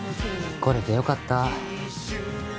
来れてよかった